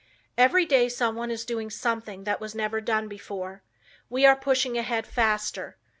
Every day someone is doing something that was never done before. We are pushing ahead faster.